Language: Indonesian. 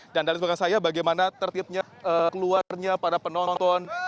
dan dari sebuah kata saya bagaimana tertibnya keluarnya para penonton